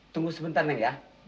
tunggu sebentar neng ya